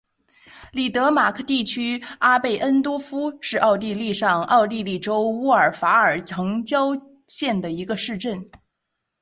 里德马克地区阿贝恩多夫是奥地利上奥地利州乌尔法尔城郊县的一个市镇。